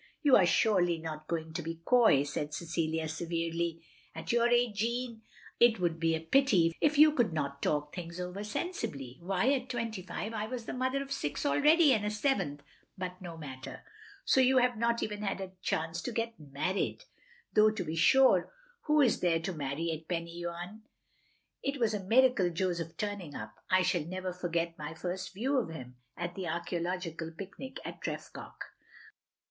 "You are surely not going to be coy!" said Cecilia, severely. " At your age, Jeanne, it would be a pity if you could not talk things over sensibly. Why, at twenty five I was the mother of six already, and a seventh — ^but no matter. So you have not even had a chance to get n^^nied! Though to be sure who is there to marry at Pen y waun? It was a miracle Joseph turning up. I shall never forget my first view of him; at the archaeological picnic at Tref goch.